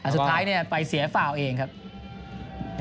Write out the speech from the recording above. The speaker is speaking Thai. สุดท้ายเนี่ยไปเสียฟ่าวเองครับ